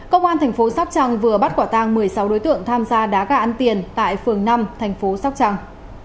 công an tp nha trang vừa bắt quả tang một mươi sáu đối tượng tham gia đá gà ăn tiền tại phường năm tp nha trang